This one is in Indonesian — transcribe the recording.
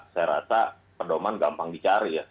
saya rasa pedoman gampang dicari ya